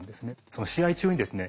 その試合中にですね